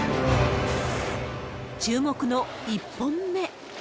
注目の１本目。